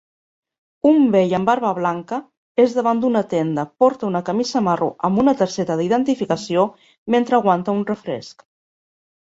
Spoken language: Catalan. Un vell amb barba blanca és davant d'una tenda porta una camisa marró amb una targeta de identificació mentre aguanta un refresc